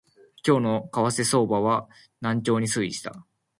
今日の為替相場は軟調に推移した